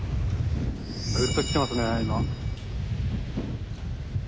ぐっときてますね、今。